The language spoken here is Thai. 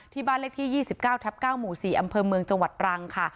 บ้านเลขที่๒๙ทับ๙หมู่๔อำเภอเมืองจังหวัดตรังค่ะ